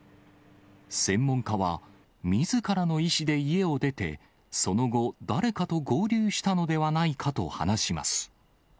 専門家はみずからの意思で家を出て、その後、誰かと合流したのではないかと話します。